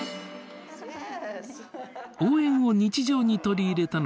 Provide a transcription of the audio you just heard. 応援を日常に取り入れたのは２年前。